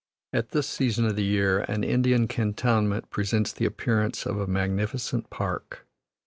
At this season of the year, an Indian cantonment presents the appearance of a magnificent park.